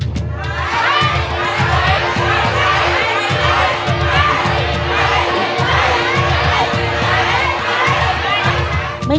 ใช้ใช้ใช้